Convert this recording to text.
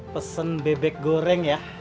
pesen bebek goreng ya